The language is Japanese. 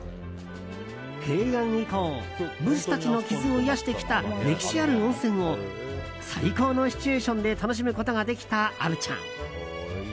平安以降、武士たちの傷を癒やしてきた歴史ある温泉を最高のシチュエーションで楽しむことができた虻ちゃん。